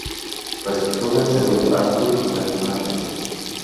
Resultó vencedor Artur Bernardes.